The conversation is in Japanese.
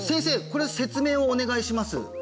これ説明をお願いします